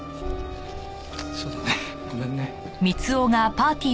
そうだねごめんね。